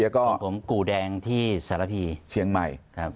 ของผมกรูแดงที่ซารพีเชียงไหมครับ